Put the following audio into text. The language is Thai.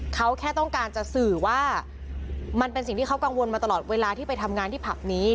เขาแค่ต้องการจะสื่อว่ามันเป็นสิ่งที่เขากังวลมาตลอดเวลาที่ไปทำงานที่ผับนี้